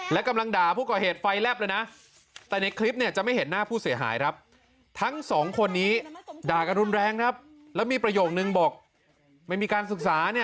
แล้วมันบอกว่า